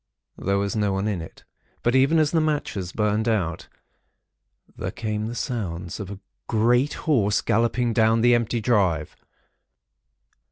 There was no one in it; but even as the matches burned out, there came the sounds of a great horse galloping down the empty drive.